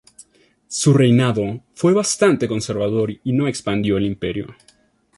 Su reinado fue bastante conservador y no expandió el Imperio.